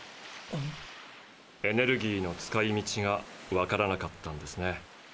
エネルギーの使いみちがわからなかったんですね。